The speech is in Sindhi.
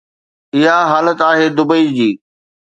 اها حالت آهي دبئي جي.